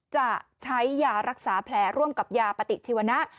จะใช้ยารักษาแผลร่วมกับยาปฏิชีวนะ